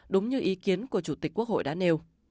đúng như ý kiến của chủ tịch quốc hội đã nêu